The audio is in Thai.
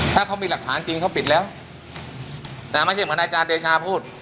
ถ้าเขามีหลักฐานจริงเขาปิดแล้วแต่ไม่ใช่เหมือนอาจารย์เดชาพูด